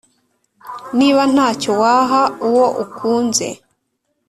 Niba ntacyo waha uwo ukunze